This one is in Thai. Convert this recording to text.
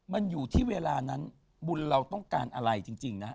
มันอยู่ที่เวลานั้นบุญเราต้องการอะไรจริงนะ